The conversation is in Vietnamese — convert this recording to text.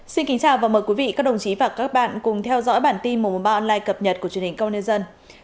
xin kính chào và mời quý vị các đồng chí và các bạn cùng theo dõi bản tin một trăm một mươi ba online cập nhật của truyền hình công an nhân dân